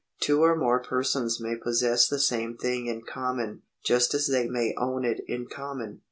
Two or more persons may possess the same thing in common, just as they may own it in common.